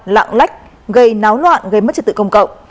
lạng lách gây náo loạn gây mất trật tự công cộng